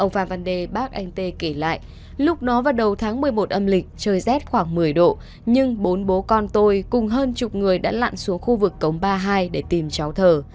ông phạm văn đề bác anh t kể lại lúc đó vào đầu tháng một mươi một âm lịch trời rét khoảng một mươi độ nhưng bốn bố con tôi cùng hơn chục người đã lặn xuống khu vực cổng ba mươi hai để tìm cháu thờ